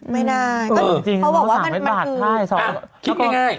ไม่ได้เขาบอกว่ามันคือคิดง่าย